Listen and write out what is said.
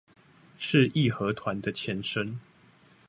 是義和團的前身